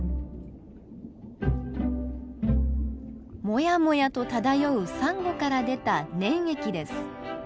モヤモヤと漂うサンゴから出た粘液です。